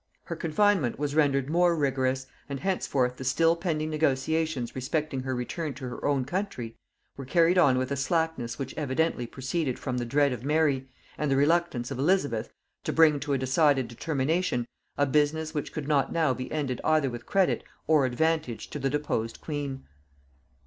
Her confinement was rendered more rigorous, and henceforth the still pending negotiations respecting her return to her own country were carried on with a slackness which evidently proceeded from the dread of Mary, and the reluctance of Elizabeth, to bring to a decided determination a business which could not now be ended either with credit or advantage to the deposed queen.